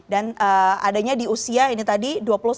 dan adanya di usia ini tadi